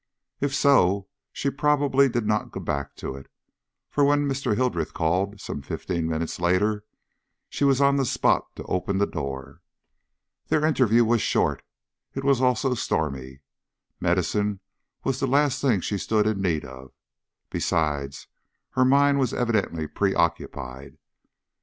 If so, she probably did not go back to it, for when Mr. Hildreth called, some fifteen minutes later, she was on the spot to open the door. Their interview was short; it was also stormy. Medicine was the last thing she stood in need of; besides, her mind was evidently preoccupied.